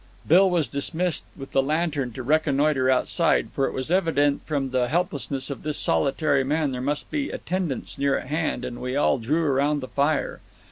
Bill was dismissed with the lantern to reconnoiter outside, for it was evident that from the helplessness of this solitary man there must be attendants near at hand, and we all drew around the fire.